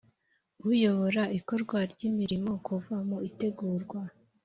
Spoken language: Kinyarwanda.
uyobora ikorwa ry imirimo kuva mu itegurwa